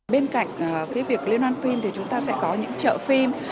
bên cạnh việc liên hoan phim thì chúng ta sẽ có những chợ phim